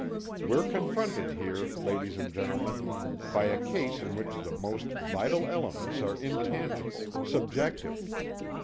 "We're confronted here, ladies and gentlemen, by a case in which the most vital elements are intangible, subjective.